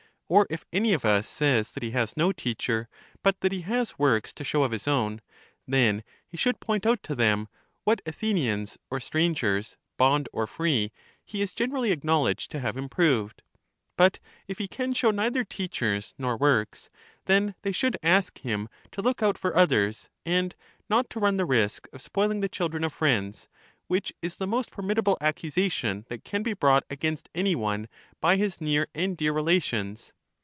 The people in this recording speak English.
Or if any of us says that he has no teacher, but that he has works to show of his own; then he should point out to them, what Athenians or strangers, bond or free, he is generally acknowledged to have improved. But if he can show neither teachers nor works, then they should ask him to look out for others ; and not to run the risk of spoil ing the children of friends, which is the most formi dable accusation that can be brought against any one by his near and dear relations.